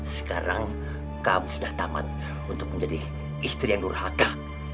sekarang kamu sudah taman untuk menjadi istri yang nurhaka